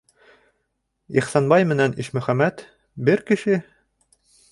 Ихсанбай менән Ишмөхәмәт... бер кеше?!